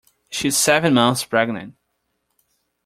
She is seven months pregnant.